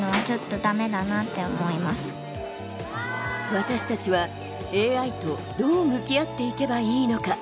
私たちはＡＩとどう向き合っていけばいいのか。